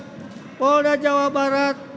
kapolda jawa barat